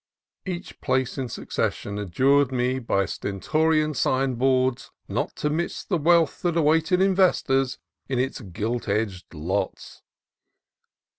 Each place in succes sion adjured me by stentorian sign boards not to miss the wealth that awaited investors in its "gilt edged" lots.